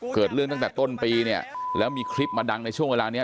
เกิดเรื่องตั้งแต่ต้นปีเนี่ยแล้วมีคลิปมาดังในช่วงเวลานี้